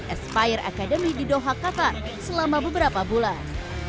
aspire academy di doha qatar selama beberapa bulan